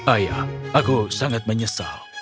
ayah aku sangat menyesal